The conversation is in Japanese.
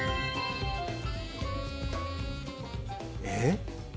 えっ？